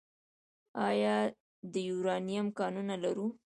آیا د یورانیم کانونه لرو؟